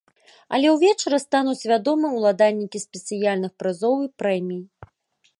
Але ўвечары стануць вядомыя ўладальнікі спецыяльных прызоў і прэмій.